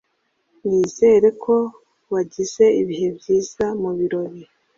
Nizere ko wagize ibihe byiza mubirori.